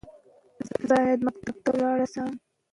د نجونو زده کړه د عامه پرېکړو روڼتيا زياتوي.